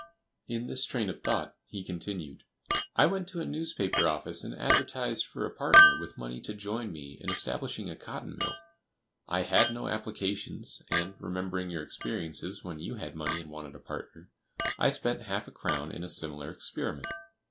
In this train of thought," he continued, "I went to a newspaper office and advertised for a partner with money to join me in establishing a cotton mill. I had no applications, and, remembering your experiences when you had money and wanted a partner, I spent half a crown in a similar experiment.